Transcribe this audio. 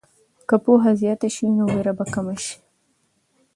که پوهه زیاته شي، نو ویره به کمه شي.